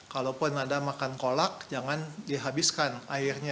kalaupun ada makan kolak jangan dihabiskan airnya